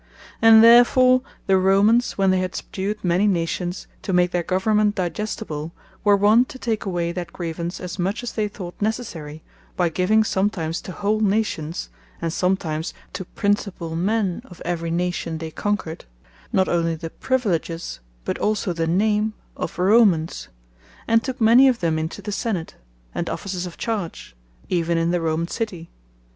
And therefore the Romans when they had subdued many Nations, to make their Government digestible, were wont to take away that grievance, as much as they thought necessary, by giving sometimes to whole Nations, and sometimes to Principall men of every Nation they conquered, not onely the Privileges, but also the Name of Romans; and took many of them into the Senate, and Offices of charge, even in the Roman City.